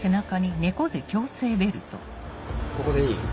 ここでいい？